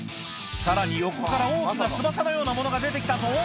さらに横から大きな翼のようなものが出て来たぞ